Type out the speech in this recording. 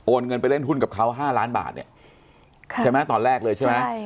เงินไปเล่นหุ้นกับเขา๕ล้านบาทเนี่ยใช่ไหมตอนแรกเลยใช่ไหม